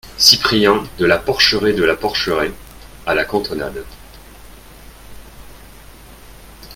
Cyprien, De La Porcheraie De La Porcheraie , à la cantonade.